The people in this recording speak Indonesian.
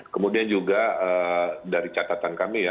kemudian juga dari catatan kami ya